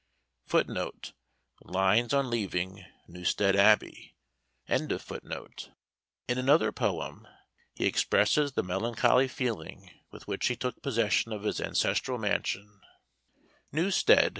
[Footnote: Lines on leaving Newstead Abbey.] In another poem he expresses the melancholy feeling with which he took possession of his ancestral mansion: "Newstead!